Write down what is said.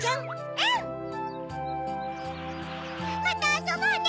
うん！またあそぼうね